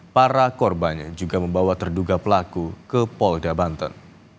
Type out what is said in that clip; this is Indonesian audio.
para korbannya juga membawa terduga pelaku ke polda banten